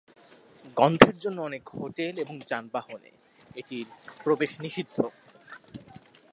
গন্ধের জন্য অনেক হোটেল এবং যানবাহনে এটির প্রবেশ নিষিদ্ধ।